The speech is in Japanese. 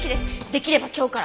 出来れば今日から。